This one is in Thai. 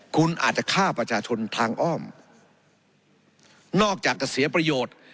คุณอาจจะฆ่าประชาชนทางอ้อมนอกจากจะเสียประโยชน์